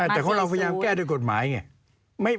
แต่ของเราพยายามแก้ด้วยกฎหมายไง